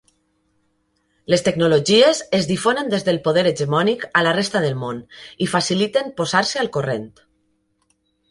Les tecnologies es difonen des del poder hegemònic a la resta del món i faciliten posar-se al corrent.